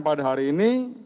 pada hari ini